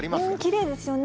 きれいですよね。